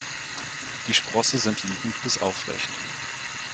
Die Sprosse sind liegend bis aufrecht.